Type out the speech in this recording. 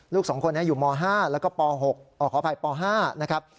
๒คนนี้อยู่ม๕แล้วก็ป๖ขออภัยป๕นะครับ